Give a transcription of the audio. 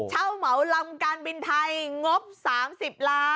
เหมาลำการบินไทยงบ๓๐ล้าน